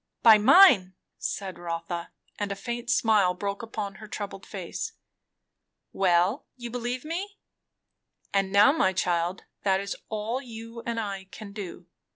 "By mine!" said Rotha, and a faint smile broke upon her troubled face. "Well, you believe me? And now, my child, that is all you and I can do.